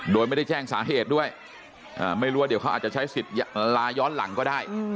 โดยไม่ได้แจ้งสาเหตุด้วยไม่รู้ว่าเดี๋ยวเขาอาจจะใช้สิทธิ์ลาย้อนหลังก็ได้